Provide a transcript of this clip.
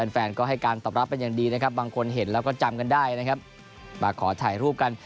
แฟนก็ให้การตอบรับเป็นอย่างดีนะครับบางคนเห็นแล้วก็จำกันได้นะครับมาขอถ่ายรูปกัน